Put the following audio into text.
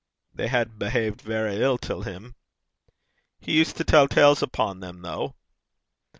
'They had behaved verra ill till him.' 'He used to clype (tell tales) upo' them, though.'